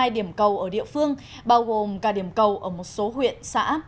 bảy trăm chín mươi hai điểm cầu ở địa phương bao gồm cả điểm cầu ở một số huyện xã